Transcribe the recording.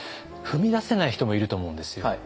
踏み出せない人もいると思うんですよ。